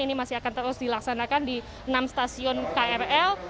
ini masih akan terus dilaksanakan di enam stasiun krl